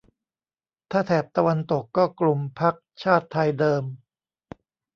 ถ้าแถบตะวันตกก็กลุ่มพรรคชาติไทยเดิม